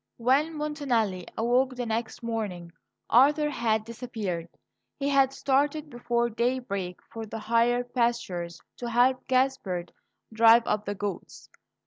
When Montanelli awoke the next morning Arthur had disappeared. He had started before daybreak for the higher pastures "to help Gaspard drive up the goats."